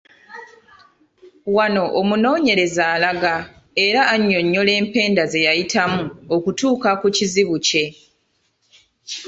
Wano omunoonyereza alaga era n’annyonnyola empenda z’anaayitamu okutuuka ku kizibu kye.